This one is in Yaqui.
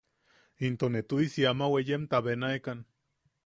Into ne tu’isi ama weeyenta benaikan.